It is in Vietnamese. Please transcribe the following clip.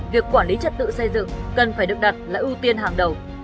việc quản lý trật tự xây dựng cần phải được đặt là ưu tiên hàng đầu